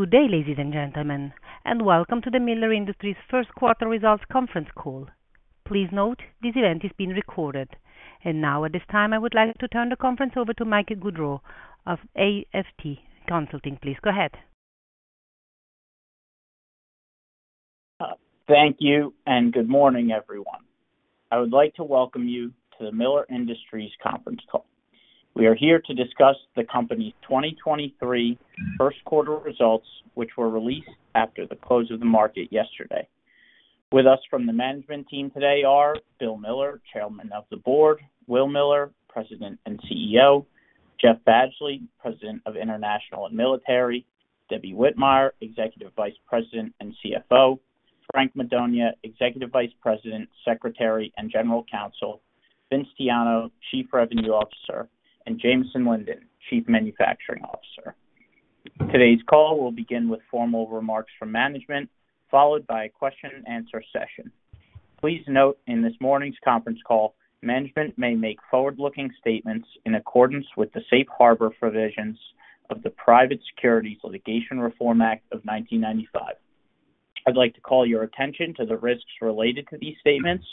Good day, ladies and gentlemen, and welcome to the Miller Industries Q1 results conference call. Please note, this event is being recorded. Now at this time, I would like to turn the conference over to Michael Gaudreau of FTI Consulting. Please go ahead. Thank you and good morning, everyone. I would like to welcome you to the Miller Industries conference call. We are here to discuss the company's 2023 Q1 results, which were released after the close of the market yesterday. With us from the management team today are Bill Miller, Chairman of the Board, Will Miller, President and CEO, Jeff Badgley, President of International and Military, Debbie Whitmire, Executive Vice President and CFO, Frank Madonia, Executive Vice President, Secretary, and General Counsel, Vince Tiano, Chief Revenue Officer, and Jamison Linden, Chief Manufacturing Officer. Today's call will begin with formal remarks from management, followed by a question and answer session. Please note in this morning's conference call, management may make forward-looking statements in accordance with the Safe Harbor provisions of the Private Securities Litigation Reform Act of 1995. I'd like to call your attention to the risks related to these statements,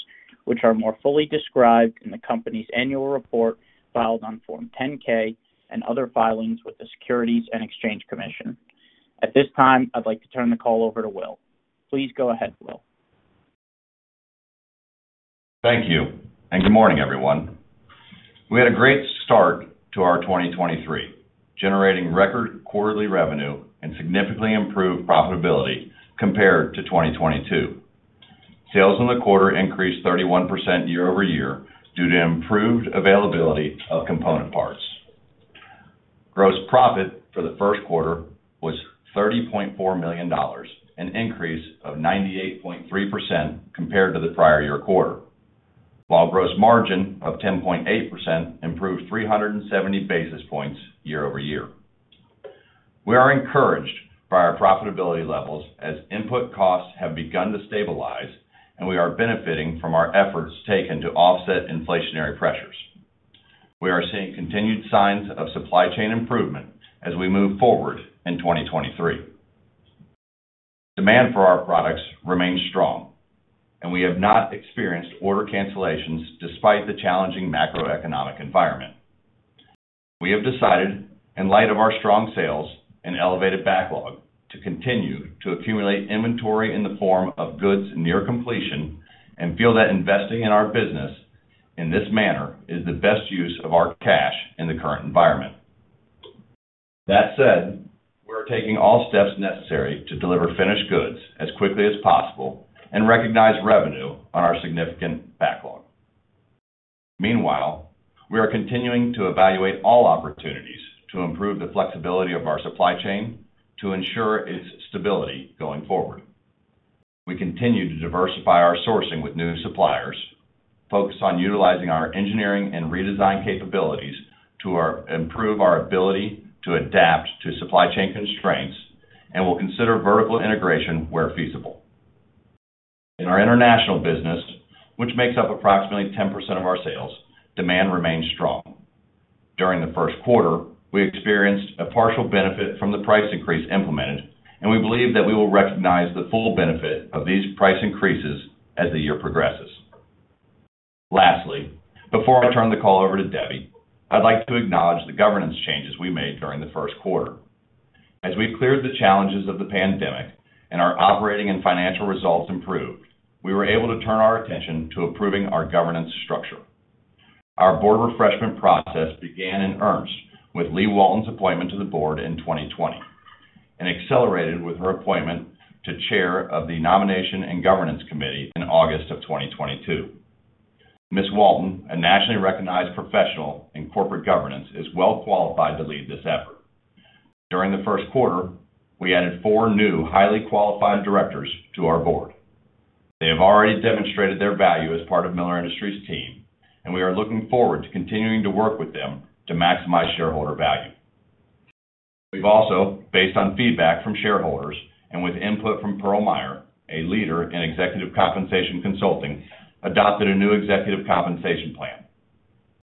which are more fully described in the company's annual report filed on Form 10-K and other filings with the Securities and Exchange Commission. At this time, I'd like to turn the call over to Will. Please go ahead, Will. Thank you. Good morning, everyone. We had a great start to our 2023, generating record quarterly revenue and significantly improved profitability compared to 2022. Sales in the quarter increased 31% year-over-year due to improved availability of component parts. Gross profit for the Q1 was $30.4 million, an increase of 98.3% compared to the prior year quarter. While gross margin of 10.8% improved 370 basis points year-over-year. We are encouraged by our profitability levels as input costs have begun to stabilize, and we are benefiting from our efforts taken to offset inflationary pressures. We are seeing continued signs of supply chain improvement as we move forward in 2023. Demand for our products remains strong, and we have not experienced order cancellations despite the challenging macroeconomic environment. We have decided, in light of our strong sales and elevated backlog, to continue to accumulate inventory in the form of goods near completion and feel that investing in our business in this manner is the best use of our cash in the current environment. That said, we are taking all steps necessary to deliver finished goods as quickly as possible and recognize revenue on our significant backlog. Meanwhile, we are continuing to evaluate all opportunities to improve the flexibility of our supply chain to ensure its stability going forward. We continue to diversify our sourcing with new suppliers, focus on utilizing our engineering and redesign capabilities to improve our ability to adapt to supply chain constraints, and we'll consider vertical integration where feasible. In our international business, which makes up approximately 10% of our sales, demand remains strong. During the Q1, we experienced a partial benefit from the price increase implemented, and we believe that we will recognize the full benefit of these price increases as the year progresses. Lastly, before I turn the call over to Debbie, I'd like to acknowledge the governance changes we made during the Q1. We cleared the challenges of the pandemic and our operating and financial results improved, we were able to turn our attention to improving our governance structure. Our board refreshment process began in earnest with Leigh Walton's appointment to the board in 2020 and accelerated with her appointment to chair of the Nomination and Governance Committee in August of 2022. Ms. Walton, a nationally recognized professional in corporate governance, is well qualified to lead this effort. During the Q1, we added 4 new highly qualified directors to our board. They have already demonstrated their value as part of Miller Industries team. We are looking forward to continuing to work with them to maximize shareholder value. We've also, based on feedback from shareholders and with input from Pearl Meyer, a leader in executive compensation consulting, adopted a new executive compensation plan.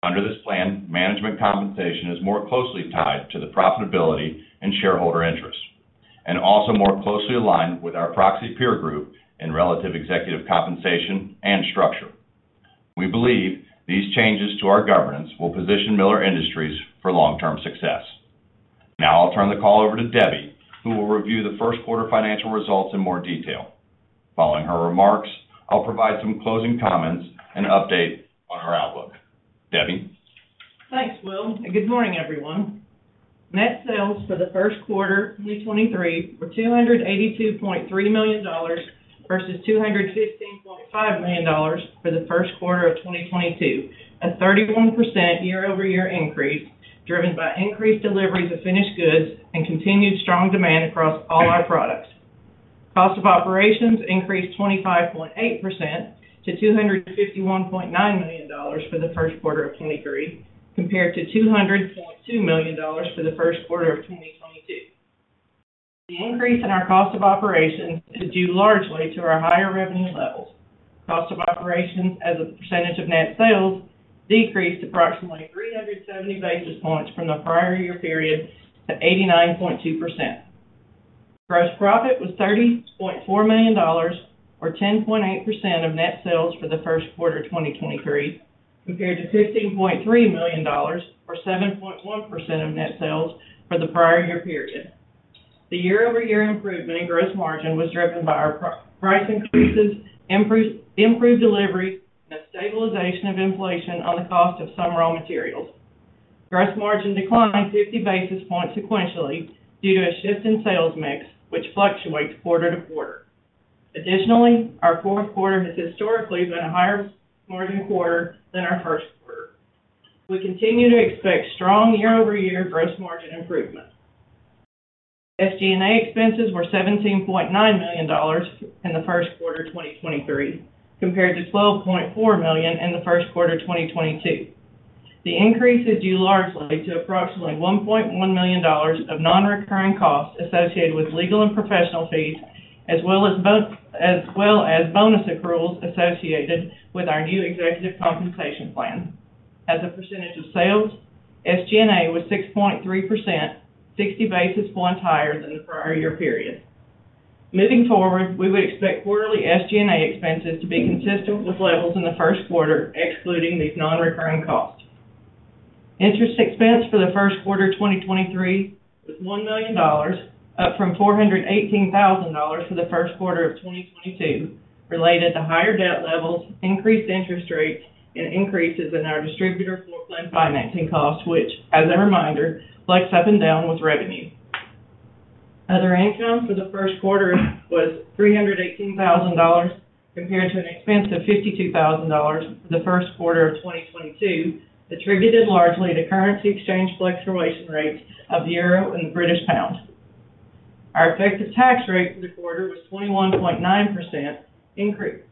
Under this plan, management compensation is more closely tied to the profitability and shareholder interest, and also more closely aligned with our proxy peer group in relative executive compensation and structure. We believe these changes to our governance will position Miller Industries for long-term success. I'll turn the call over to Debbie, who will review the Q1 financial results in more detail. Following her remarks, I'll provide some closing comments and update on our outlook. Debbie? Thanks, Will, good morning, everyone. Net sales for the Q1 2023 were $282.3 million versus $215.5 million for the Q1 of 2022, a 31% year-over-year increase driven by increased deliveries of finished goods and continued strong demand across all our products. Cost of operations increased 25.8% to $251.9 million for the Q1 of 2023, compared to $200.2 million for the Q1 of 2022. The increase in our cost of operations is due largely to our higher revenue levels. Cost of operations as a percentage of net sales decreased approximately 370 basis points from the prior year period to 89.2%. Gross profit was $30.4 million, or 10.8% of net sales for the Q1 2023, compared to $15.3 million, or 7.1% of net sales for the prior year period. The year-over-year improvement in gross margin was driven by our price increases, improved delivery, and the stabilization of inflation on the cost of some raw materials. Gross margin declined 50 basis points sequentially due to a shift in sales mix, which fluctuates quarter-to-quarter. Additionally, our Q4 has historically been a higher margin quarter than our Q1. We continue to expect strong year-over-year gross margin improvement. SG&A expenses were $17.9 million in the Q1 2023, compared to $12.4 million in the Q1 2022. The increase is due largely to approximately $1.1 million of non-recurring costs associated with legal and professional fees, as well as bonus accruals associated with our new executive compensation plan. As a percentage of sales, SG&A was 6.3%, 60 basis points higher than the prior year period. Moving forward, we would expect quarterly SG&A expenses to be consistent with levels in the Q1, excluding these non-recurring costs. Interest expense for the Q1 2023 was $1 million, up from $418,000 for the Q1 of 2022, related to higher debt levels, increased interest rates, and increases in our distributor floorplan financing costs, which, as a reminder, flex up and down with revenue. Other income for the Q1 was $318,000 compared to an expense of $52,000 in the Q1 of 2022, attributed largely to currency exchange fluctuation rates of the euro and the British pound. Our effective tax rate for the quarter was 21.9% increased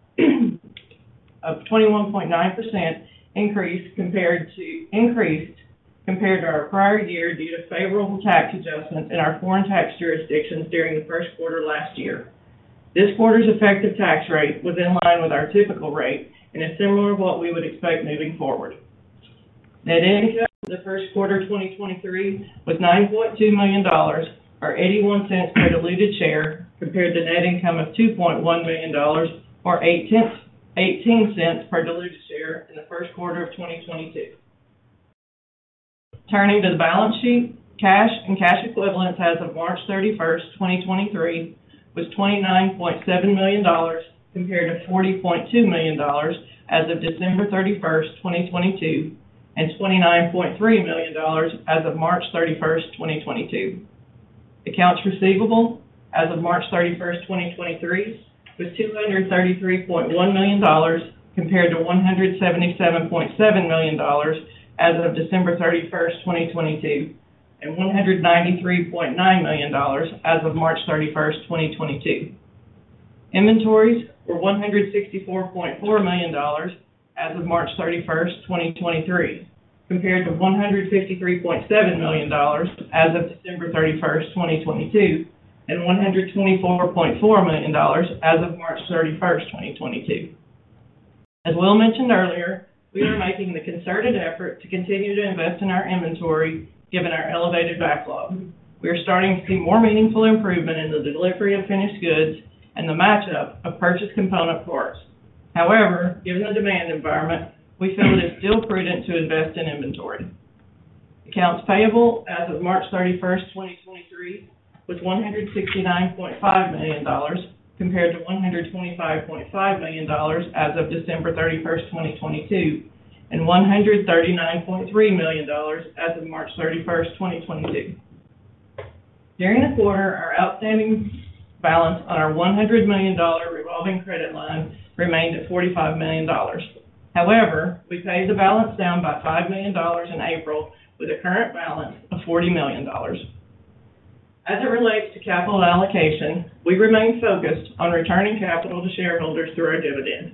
compared to our prior year due to favorable tax adjustments in our foreign tax jurisdictions during the Q1 last year. This quarter's effective tax rate was in line with our typical rate and is similar to what we would expect moving forward. Net income for the Q1 2023 was $9.2 million, or $0.81 per diluted share, compared to net income of $2.1 million, or $0.18 per diluted share in the Q1 of 2022. Turning to the balance sheet, cash and cash equivalents as of March 31st, 2023, was $29.7 million, compared to $40.2 million as of December 31st, 2022, and $29.3 million as of March 31st, 2022. Accounts receivable as of March 31st, 2023, was $233.1 million, compared to $177.7 million as of December 31st, 2022, and $193.9 million as of March 31st, 2022. Inventories were $164.4 million as of March 31st, 2023, compared to $153.7 million as of December 31st, 2022, and $124.4 million dollars as of March 31st, 2022. As Will mentioned earlier, we are making the concerted effort to continue to invest in our inventory given our elevated backlog. We are starting to see more meaningful improvement in the delivery of finished goods and the match up of purchased component parts. However, given the demand environment, we feel it is still prudent to invest in inventory. Accounts payable as of March 31, 2023, was $169.5 million, compared to $125.5 million as of December 31, 2022, and $139.3 million as of March 31, 2022. During the quarter, our outstanding balance on our $100 million revolving credit line remained at $45 million. However, we paid the balance down by $5 million in April with a current balance of $40 million. As it relates to capital allocation, we remain focused on returning capital to shareholders through our dividend.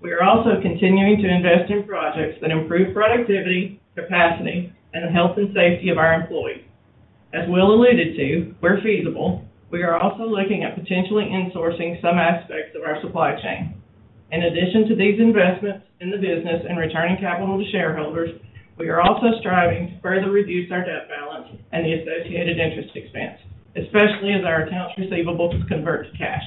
We are also continuing to invest in projects that improve productivity, capacity, and the health and safety of our employees. As Will alluded to, where feasible, we are also looking at potentially insourcing some aspects of our supply chain. In addition to these investments in the business and returning capital to shareholders, we are also striving to further reduce our debt balance and the associated interest expense, especially as our accounts receivables convert to cash.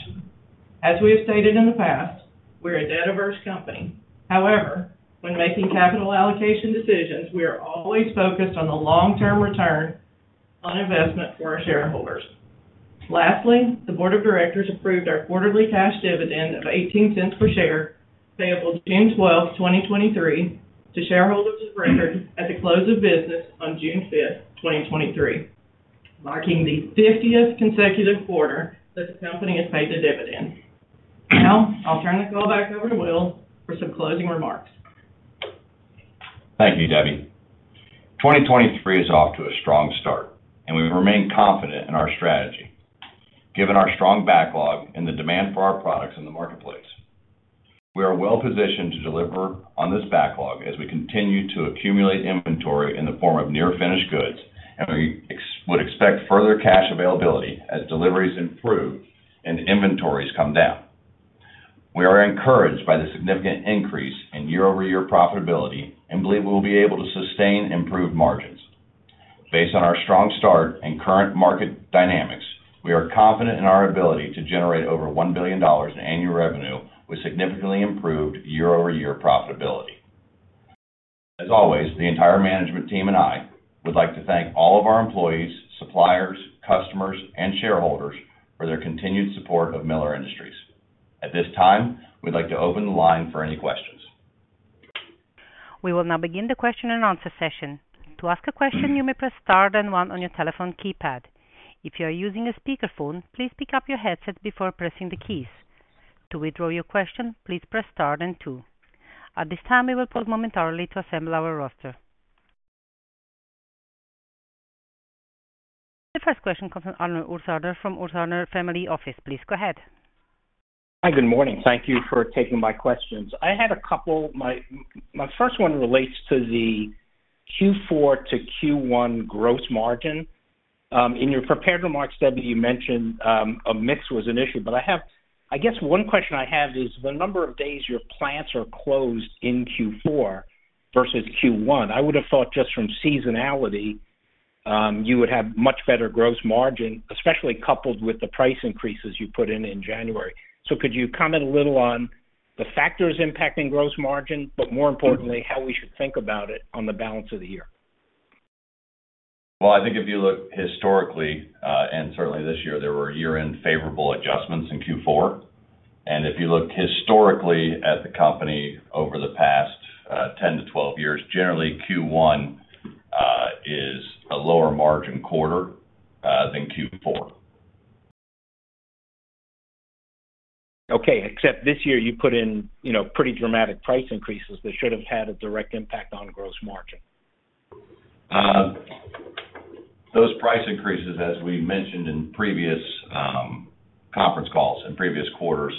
As we have stated in the past, we're a debt-averse company. However, when making capital allocation decisions, we are always focused on the long-term return on investment for our shareholders. Lastly, the board of directors approved our quarterly cash dividend of $0.18 per share, payable June 12th, 2023, to shareholders of the record at the close of business on June 5th, 2023, marking the 50th consecutive quarter that the company has paid the dividend. Now, I'll turn the call back over to Will for some closing remarks. Thank you, Debbie. 2023 is off to a strong start, and we remain confident in our strategy. Given our strong backlog and the demand for our products in the marketplace, we are well-positioned to deliver on this backlog as we continue to accumulate inventory in the form of near finished goods, and we would expect further cash availability as deliveries improve and inventories come down. We are encouraged by the significant increase in year-over-year profitability and believe we will be able to sustain improved margins. Based on our strong start and current market dynamics, we are confident in our ability to generate over $1 billion in annual revenue with significantly improved year-over-year profitability. As always, the entire management team and I would like to thank all of our employees, suppliers, customers and shareholders for their continued support of Miller Industries. At this time, we'd like to open the line for any questions. We will now begin the question-and-answer session. To ask a question, you may press * then 1 on your telephone keypad. If you are using a speakerphone, please pick up your headset before pressing the keys. To withdraw your question, please press * then 2. At this time, we will pause momentarily to assemble our roster. The first question comes from Arnold Ursaner from Ursaner Family Office. Please go ahead. Hi. Good morning. Thank you for taking my questions. I had a couple. My first one relates to the Q4 to Q1 gross margin. In your prepared remarks, Deb, you mentioned a mix was an issue, but I guess 1 question I have is the number of days your plants are closed in Q4 versus Q1. I would have thought just from seasonality, you would have much better gross margin, especially coupled with the price increases you put in in January. Could you comment a little on the factors impacting gross margin, but more importantly, how we should think about it on the balance of the year? Well, I think if you look historically, and certainly this year, there were year-end favorable adjustments in Q4. If you looked historically at the company over the past, 10 to 12 years, generally Q1 is a lower margin quarter than Q4. Okay. Except this year you put in, you know, pretty dramatic price increases that should have had a direct impact on gross margin. Those price increases, as we mentioned in previous conference calls in previous quarters,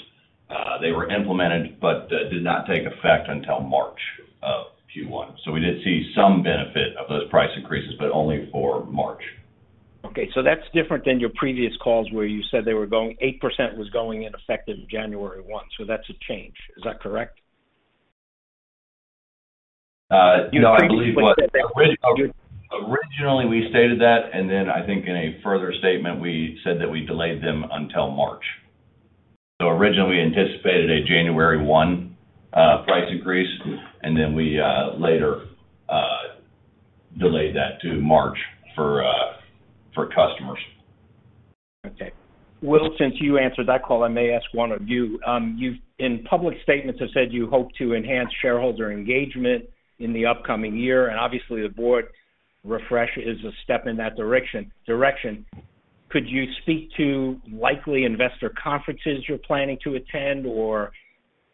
they were implemented but did not take effect until March of Q1. We did see some benefit of those price increases, but only for March. Okay. That's different than your previous calls, where you said they were 8% was going in effective January 1. That's a change. Is that correct? you know, I believe what originally we stated that, and then I think in a further statement, we said that we delayed them until March. Originally we anticipated a January 1, price increase, and then we, later, delayed that to March for customers. Okay. Will, since you answered that call, I may ask one of you. You've in public statements have said you hope to enhance shareholder engagement in the upcoming year. Obviously the board refresh is a step in that direction. Could you speak to likely investor conferences you're planning to attend?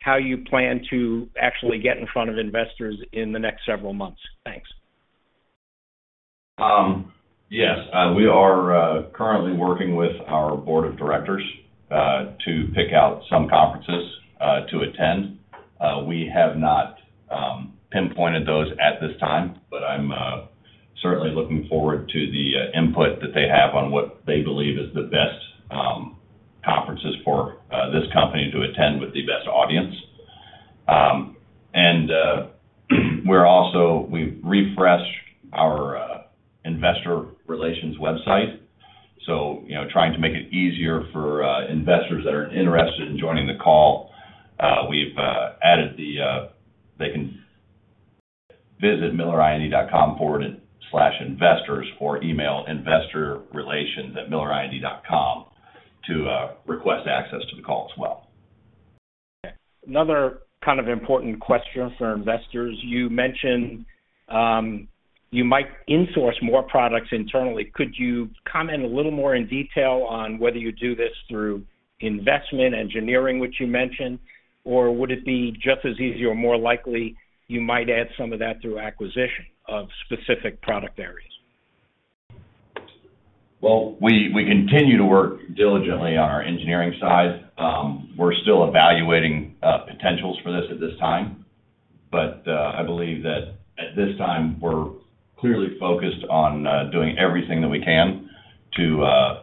How you plan to actually get in front of investors in the next several months? Thanks. Yes. We are currently working with our Board of Directors to pick out some conferences to attend. We have not pinpointed those at this time, but I'm certainly looking forward to the input that they have on what they believe is the best conferences for this company to attend with the best audience. We've refreshed our investor relations website. You know, trying to make it easier for investors that are interested in joining the call. We've added the, they can visit millerind.com/investors or email investorrelations@millerind.com to request access to the call as well. Another kind of important question for investors. You mentioned, you might insource more products internally. Could you comment a little more in detail on whether you do this through investment engineering, which you mentioned? Or would it be just as easy or more likely you might add some of that through acquisition of specific product areas? Well, we continue to work diligently on our engineering side. We're still evaluating potentials for this at this time. I believe that at this time we're clearly focused on doing everything that we can to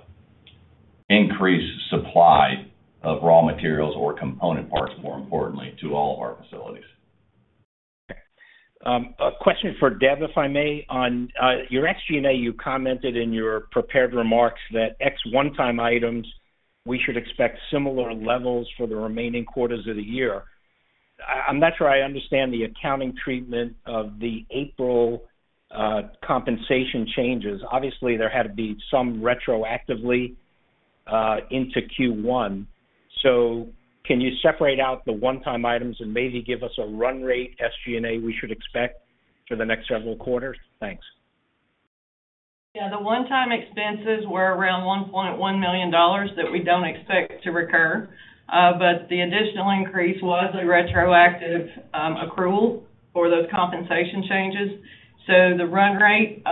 increase supply of raw materials or component parts, more importantly, to all of our facilities. Okay. A question for Deb, if I may. On your SG&A, you commented in your prepared remarks that ex one-time items, we should expect similar levels for the remaining quarters of the year. I'm not sure I understand the accounting treatment of the April compensation changes. Obviously, there had to be some retroactively into Q1. Can you separate out the one-time items and maybe give us a run rate SG&A we should expect for the next several quarters? Thanks. Yeah. The one-time expenses were around $1.1 million that we don't expect to recur. The additional increase was a retroactive accrual for those compensation changes. The run rate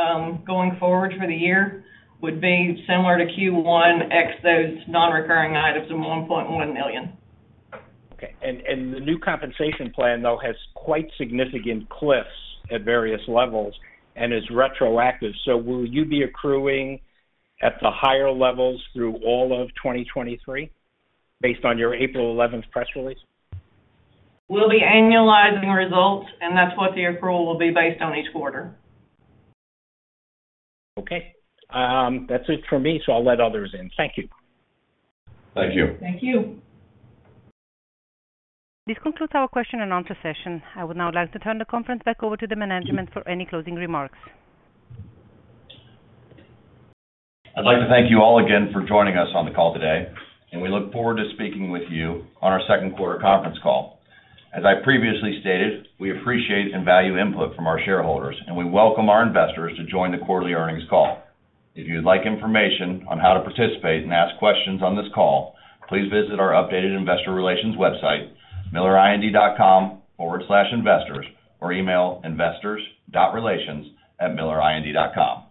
going forward for the year would be similar to Q1 ex those non-recurring items of $1.1 million. Okay. The new compensation plan, though, has quite significant cliffs at various levels and is retroactive. Will you be accruing at the higher levels through all of 2023 based on your April 11th press release? We'll be annualizing results, and that's what the accrual will be based on each quarter. Okay. That's it for me, so I'll let others in. Thank you. Thank you. Thank you. This concludes our question-and-answer session. I would now like to turn the conference back over to the management for any closing remarks. I'd like to thank you all again for joining us on the call today. We look forward to speaking with you on our Q2 conference call. As I previously stated, we appreciate and value input from our shareholders. We welcome our investors to join the quarterly earnings call. If you'd like information on how to participate and ask questions on this call, please visit our updated investor relations website, millerind.com/investors, or email investor.relations@millerind.com. Thank you.